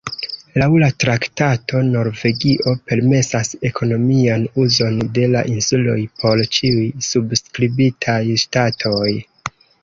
Laŭ la traktato, Norvegio permesas ekonomian uzon de la insuloj por ĉiuj subskribitaj ŝtatoj.